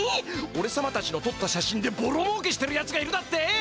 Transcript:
おれさまたちのとった写真でぼろもうけしてるやつがいるだって！？